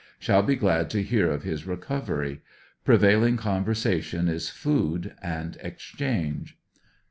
Shall be glad to hear of his recovery. Prevailing conversation is food and exchange.